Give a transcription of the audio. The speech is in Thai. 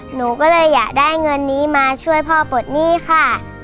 หนูก็เลยอยากได้เงินนี้มาช่วยพ่อปลดหนี้ค่ะ